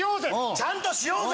ちゃんとしようぜ！